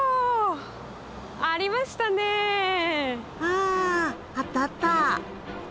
ああったあった。